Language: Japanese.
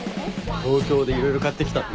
東京で色々買ってきたんだ。